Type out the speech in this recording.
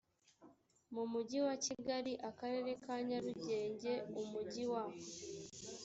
mu mugi wa kigali akarere ka nyarugenge umujyi wa